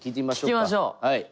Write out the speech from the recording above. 聞きましょう！